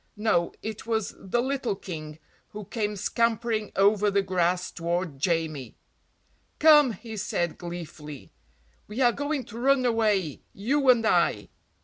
no, it was the little King who came scampering over the grass toward Jamie. "Come," he said gleefully, "we are going to run away, you and I.